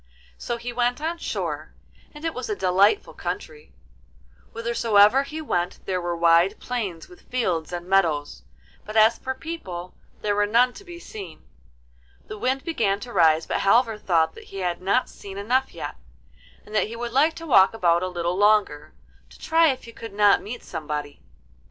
So he went on shore, and it was a delightful country; whithersoever he went there were wide plains with fields and meadows, but as for people, there were none to be seen. The wind began to rise, but Halvor thought that he had not seen enough yet, and that he would like to walk about a little longer, to try if he could not meet somebody.